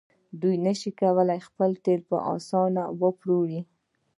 دوی نشي کولی خپل تیل په اسانۍ وپلوري.